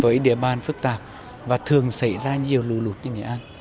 với địa bàn phức tạp và thường xảy ra nhiều lù lụt như nghệ an